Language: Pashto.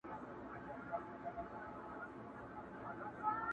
څومره چي تیاره وي څراغ ښه ډېره رڼا کوي,